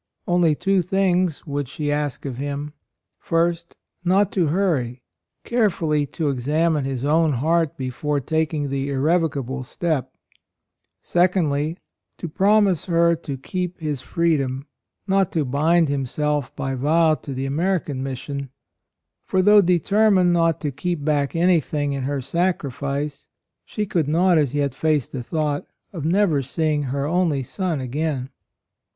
Only two things would she ask of him : first, not to hurry — carefully to examine his own heart before taking the irrevocable step; secondly, to promise her to keep his free dom — not to bind himself by vow to the American mission; for, though determined not to AND MOTHER. 69 keep back anything in her sacrifice, she could not as yet face the thought of never seeing her only son again.